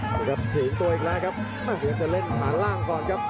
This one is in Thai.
แล้วก็ถีงตัวอีกแล้วครับอ่ะเหนื่อยจะเล่นฐานล่างก่อนครับ